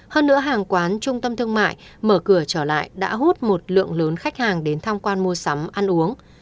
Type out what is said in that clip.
hơn nữa hàng quán trung tâm thương mại mở cửa trở lại đã hút một lượng lớn khách hàng đến tham quan mua sắm ăn uống